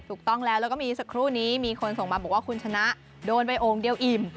ถูกต้องแล้วแล้วก็มีสักครู่นี้มีคนส่งมาบอกว่าคุณชนะโดนไปโอ่งเดียวอิ่ม